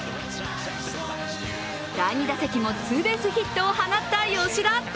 第２打席もツーベースヒットを放った吉田。